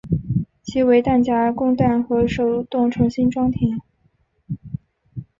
其为弹匣供弹和手动重新装填。